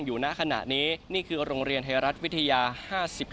ได้อยู่ณ้าขณะนี้นี่คือโรงเรียนไทยรัฐวิทยาห้าสิบ